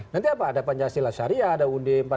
nanti apa ada pancasila syariah ada ud empat puluh